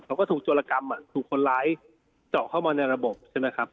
เขาก็ถูกโจรกรรมถูกคนร้ายเจาะเข้ามาในระบบใช่ไหมครับ